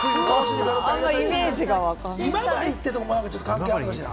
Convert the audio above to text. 今治ってところも関係あるのかしら？